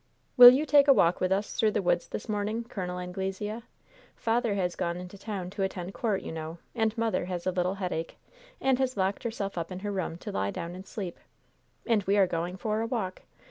"Will you take a walk with us through the woods this morning, Col. Anglesea? Father has gone into town to attend court, you know; and mother has a little headache, and has locked herself up in her room to lie down and sleep. And we are going for a walk.